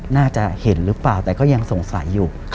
น่าจะเห็นหรือเปล่าแต่ก็ยังสงสัยอยู่